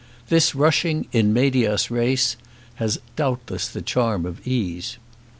This rushing "in medias res" has doubtless the charm of ease.